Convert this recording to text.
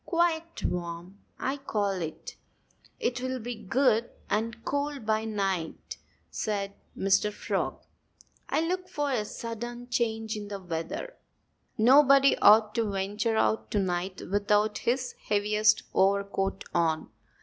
"Quite warm I call it!" "It'll be good and cold by night," said Mr. Frog. "I look for a sudden change in the weather. Nobody ought to venture out to night without his heaviest overcoat on."